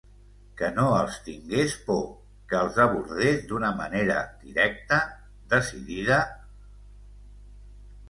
Que no els tingues por, que els abordes d'una manera directa, decidida...